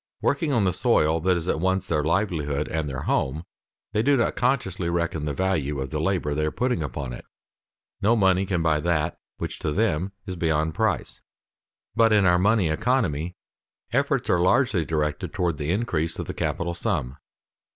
Working on the soil that is at once their livelihood and their home, they do not consciously reckon the value of the labor they are putting upon it. No money can buy that which to them is beyond price. But, in our money economy, efforts are largely directed toward the increase of the capital sum.